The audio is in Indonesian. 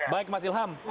baik mas ilham